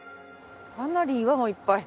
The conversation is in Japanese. かなり岩もいっぱい。